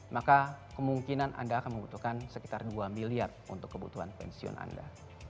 maka kemungkinan anda akan membutuhkan sekitar dua miliar untuk kebutuhan pensiun anda